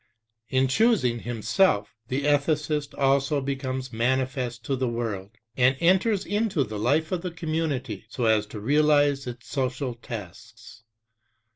In choosing himself the ethicist also becomes manifest to the world, and enters into the life of the community so as to realize its social tasks.